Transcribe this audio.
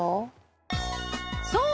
そう！